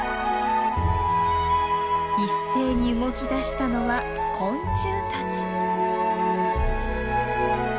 一斉に動きだしたのは昆虫たち。